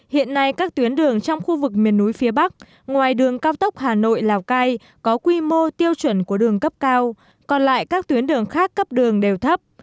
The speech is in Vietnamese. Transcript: hiện nay các tuyến đường trong khu vực miền núi phía bắc ngoài đường cao tốc hà nội lào cai có quy mô tiêu chuẩn của đường cấp cao còn lại các tuyến đường khác cấp đường đều thấp